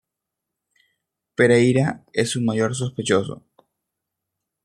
Pereyra es su mayor sospechoso.